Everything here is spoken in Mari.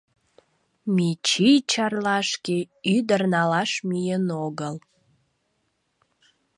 Мичий Чарлашке ӱдыр налаш миен огыл.